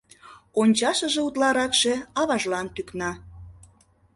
Ончашыже утларакше аважлан тӱкна.